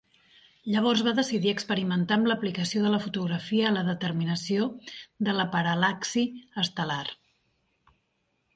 Llavors va decidir experimentar amb l'aplicació de la fotografia a la determinació de la paral·laxi estel·lar.